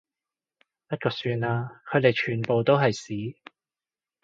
不過算啦，佢哋全部都係屎